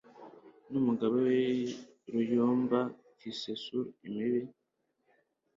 n'umugabe w'i Ruyuumba kiiseesuur imbibi